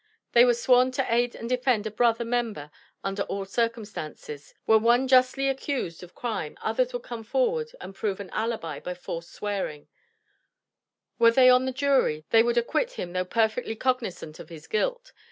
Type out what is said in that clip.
They were sworn to aid and defend a brother member under all circumstances; were one justly accused of crime, others would come forward and prove an alibi by false swearing; were they on the jury, they would acquit him though perfectly cognizant of his guilt.